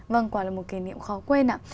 vâng quả là một kỷ niệm khó quên ạ